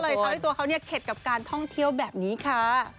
ทำให้ตัวเขาเนี่ยเข็ดกับการท่องเที่ยวแบบนี้ค่ะ